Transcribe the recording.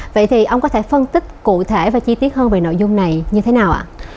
vậy thì ông có thể phân tích cụ thể và chi tiết hơn về nội dung này như thế nào ạ